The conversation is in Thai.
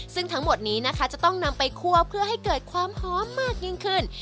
ซึ่งทั้งหมดนี้นะคะจะต้องนำไปคั่วเพื่อให้เกิดความหอมมากยิ่งขึ้น